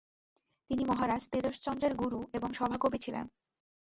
তিনি মহারাজ তেজশ্চন্দ্রের গুরু এবং সভাকবি ছিলেন।